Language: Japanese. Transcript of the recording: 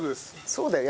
そうだよ。